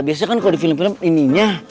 biasanya kan kalau di film film ininya